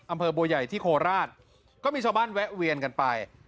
อำเภอบัวใหญ่ที่โคราชก็มีชาวบ้านแวะเวียนกันไป